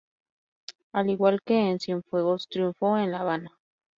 Al igual que en Cienfuegos triunfó en La Habana.